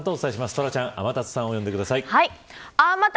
トラちゃん天達さんを呼んでください。